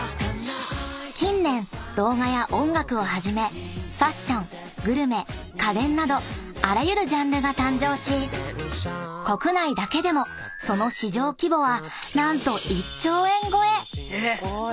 ［近年動画や音楽をはじめファッショングルメ家電などあらゆるジャンルが誕生し国内だけでもその市場規模は何と１兆円超え！］